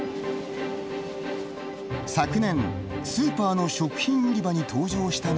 昨年スーパーの食品売り場に登場したのが。